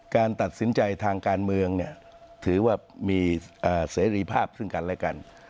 การตัดสินใจทางการเมืองเนี่ยถือว่ามีเสรีภาพซึ่งกันและกัน